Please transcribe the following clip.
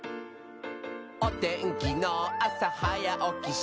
「おてんきのあさはやおきしてね」